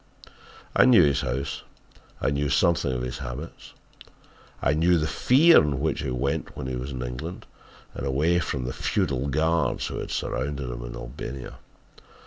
"I knew his house. I knew something of his habits. I knew the fear in which he went when he was in England and away from the feudal guards who had surrounded him in Albania.